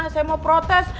saya mau protes